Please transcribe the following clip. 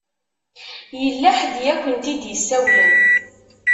Yella ḥedd i akent-id-isawlen?